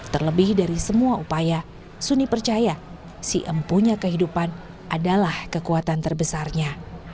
terlebih dari semua upaya suni percaya si empunya kehidupan adalah kekuatan terbesarnya